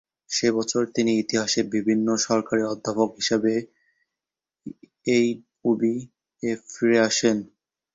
সে বছর তিনি ইতিহাস বিভাগে সহকারী অধ্যাপক হিসেবে এইউবি-এ ফিরে আসেন।